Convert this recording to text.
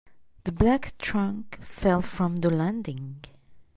The black trunk fell from the landing.